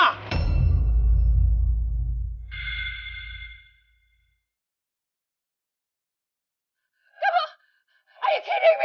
siap siap benturan ma